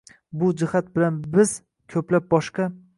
Bu jihat bilan biz ko‘plab boshqa